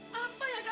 kamu sudah berubah